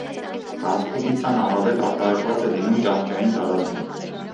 Ռասպուտիցան առավել արտահայտված է լինում ճահճային տարածքում։